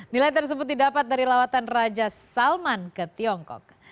nilai tersebut didapat dari lawatan raja salman ke tiongkok